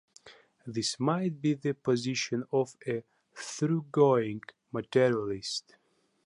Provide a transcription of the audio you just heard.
This might be the position of a thoroughgoing materialist.